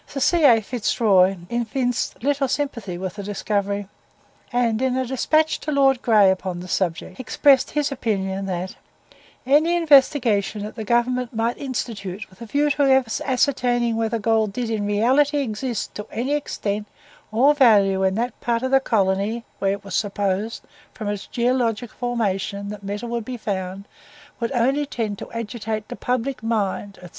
Sir C. A. Fitzroy evinced little sympathy with the discovery, and in a despatch to Lord Grey upon the subject, expressed his opinion that "any investigation that the Government might institute with the view of ascertaining whether gold did in reality exist to any extent or value in that part of the colony where it was supposed from its geological formation that metal would be found, would only tend to agitate the public mind, &c."